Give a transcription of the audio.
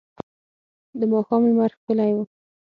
د ماښام لمر ښکلی و.